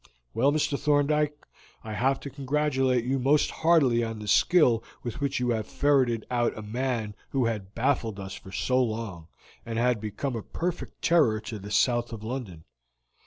Well, Mr. Thorndyke, I have to congratulate you most heartily on the skill with which you have ferreted out a man who had baffled us for so long, and had become a perfect terror to the south of London.